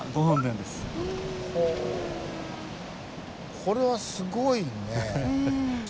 これはすごいね。